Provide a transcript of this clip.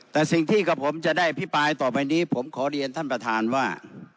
แต่สิ่งที่กับผมจะได้อภิปรายต่อไปนี้ผมขอเรียนท่านประธานว่า